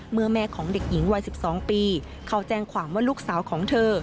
แม่ของเด็กหญิงวัย๑๒ปีเขาแจ้งความว่าลูกสาวของเธอ